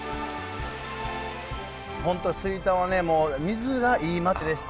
本当吹田はね水がいい町でして。